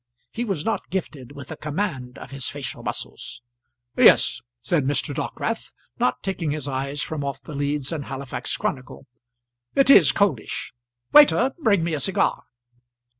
He was not gifted with a command of his facial muscles. "Yes," said Mr. Dockwrath, not taking his eyes from off the Leeds and Halifax Chronicle. "It is coldish. Waiter, bring me a cigar."